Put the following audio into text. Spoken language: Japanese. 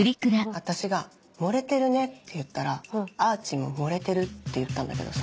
私が「盛れてるね」って言ったらあーちんが「盛れてる」って言ったんだけどさ。